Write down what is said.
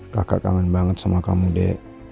kakak kangen banget sama kamu dek